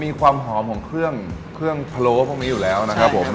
มีความหอมของเครื่องเครื่องพะโล้พวกนี้อยู่แล้วนะครับผม